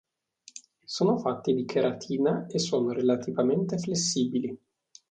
Sono fatti di cheratina e sono relativamente flessibili.